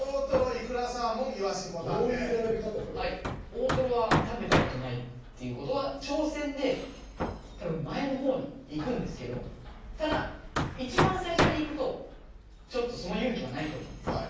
大トロは食べたことないっていうことは挑戦で多分前のほうにいくんですけどただいちばん最初にいくとちょっとその勇気はないと思うんですよ。